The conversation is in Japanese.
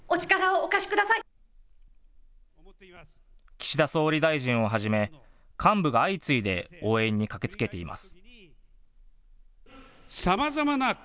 岸田総理大臣をはじめ幹部が相次いで応援に駆けつけています。